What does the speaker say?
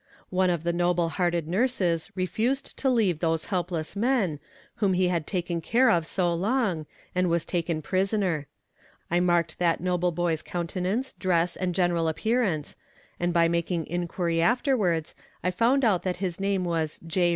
One of the noble hearted nurses refused to leave those helpless men, whom he had taken care of so long, and was taken prisoner. I marked that noble boy's countenance, dress and general appearance, and by making inquiry afterwards I found out that his name was J.